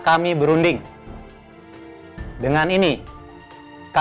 aku tidak bisa